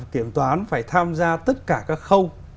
kiểm toán phải tham gia tất cả các khâu